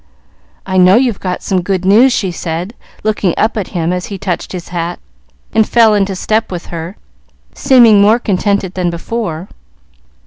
"I know you've got some good news," she said, looking up at him as he touched his hat and fell into step with her, seeming more contented than before.